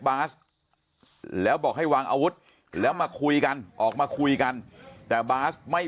บาสแล้วบอกให้วางอาวุธแล้วมาคุยกันออกมาคุยกันแต่บาสไม่